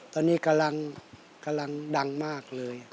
ตอนนี้กำลังกำลังดังมากเลย